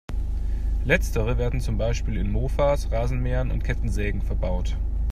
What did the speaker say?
Letztere werden zum Beispiel in Mofas, Rasenmähern und Kettensägen verbaut.